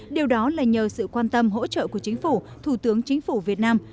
điều đó là nhờ sự quan tâm hỗ trợ của chính phủ thủ tướng chính phủ việt nam